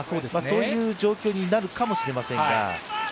そういう状況になるかもしれませんが。